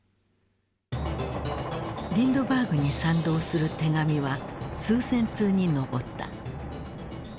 リンドバーグに賛同する手紙は数千通に上った。